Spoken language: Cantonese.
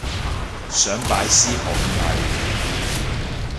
想拜師學藝